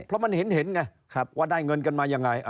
เพราะมันเห็นไงว่าได้เงินกันมายังไง